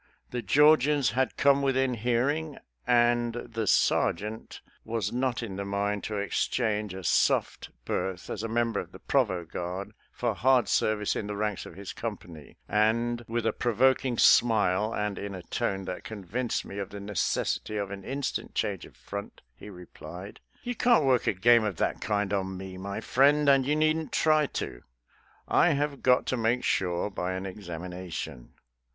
The Georgians had come within hearing, and the sergeant was not in the mind to exchange a soft FORAGING FOR HOG MEAT 155 berth as a member of the provost guard for hard service in the ranks of his company, and, with a provoking smile and in a tone that convinced me of the necessity of an instant change of front, he replied, " You can't work a game of that kind on me, my friend, and you needn't try to. I have got to make sure by an examination."